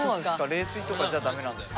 冷水とかじゃ駄目なんですか？